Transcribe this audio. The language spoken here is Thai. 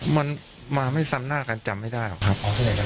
มันมาไม่ซ้ำหน้ากันจำไม่ได้หรอกครับ